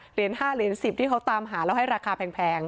เหรียญ๕เหรียญ๑๐ที่เขาตามหาแล้วให้ราคาแพง